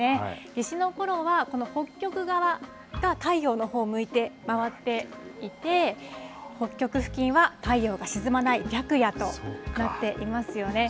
夏至のころは、この北極側が太陽のほうを向いて回っていて、北極付近は太陽が沈まない白夜となっていますよね。